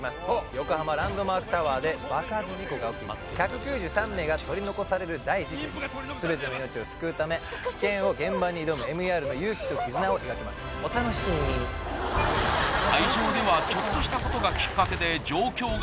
横浜・ランドマークタワーで爆発事故が起き１９３名が取り残される大事件に全ての命を救うため危険を現場に挑むＭＥＲの勇気と絆を描きますお楽しミミする